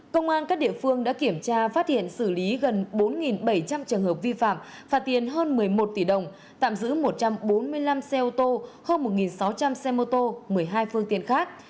công an các địa phương đã kiểm tra phát hiện xử lý gần bốn bảy trăm linh trường hợp vi phạm phạt tiền hơn một mươi một tỷ đồng tạm giữ một trăm bốn mươi năm xe ô tô hơn một sáu trăm linh xe mô tô một mươi hai phương tiện khác